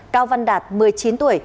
cao văn đạt một mươi chín tuổi